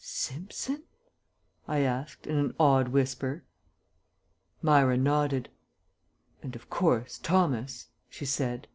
"Simpson?" I asked, in an awed whisper. Myra nodded. "And, of course, Thomas," she said.